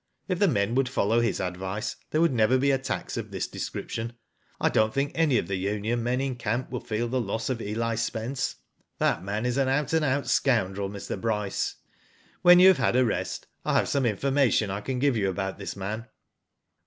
If the men would follow his advice there would never be attacks of this description. I do not think any of the union men in camp will feel the loss of Eli Spence. That man is an out and out scoundrel, Mr. Bryce. When you have had a rest, I have some informa tion I can give you about this man."